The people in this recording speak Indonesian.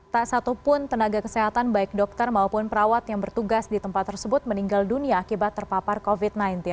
tak satupun tenaga kesehatan baik dokter maupun perawat yang bertugas di tempat tersebut meninggal dunia akibat terpapar covid sembilan belas